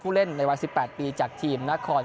เล่นในวัย๑๘ปีจากทีมนคร